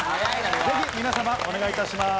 ぜひ皆様お願いいたします。